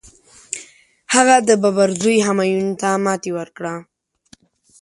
هغه د بابر زوی همایون ته ماتي ورکړه.